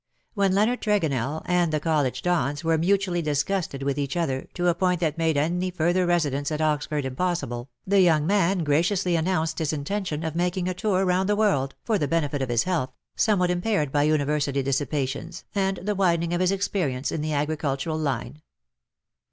When Leonard Tregonell and the college Dons were mutually disgusted with each other to a point that made any further residence at Oxford impossible, the young man graciously announced his intention of making a tour round the world, for the benefit of his health, somewhat impaired by University dissipations, and the widen ing of his experience in the agricultural line.